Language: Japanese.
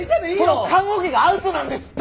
その棺桶がアウトなんですって！